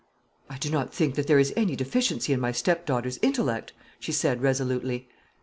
"I do not think that there is any deficiency in my stepdaughter's intellect," she said, resolutely.